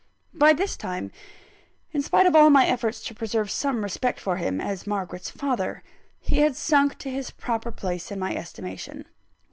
By this time (in spite of all my efforts to preserve some respect for him, as Margaret's father) he had sunk to his proper place in my estimation.